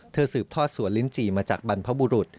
สืบทอดสวนลิ้นจีมาจากบรรพบุรุษ